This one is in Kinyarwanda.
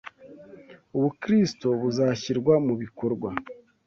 Ubukristo buzashyirwa mu bikorwa.